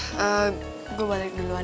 kayaknya dia udah kemana mana